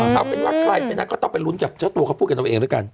ถ้าเป็นว่าใครไปนั้นก็ต้องไปลุ้นจากเจ้าตัวเขาพูดกันตัวเองด้วยกัน